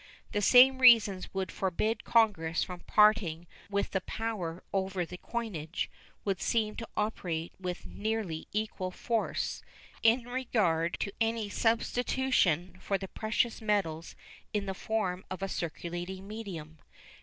The same reasons which would forbid Congress from parting with the power over the coinage would seem to operate with nearly equal force hi regard to any substitution for the precious metals in the form of a circulating medium.